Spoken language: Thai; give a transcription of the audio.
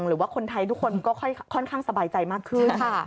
หรือว่าคนไทยทุกคนก็ค่อนข้างสบายใจมากขึ้น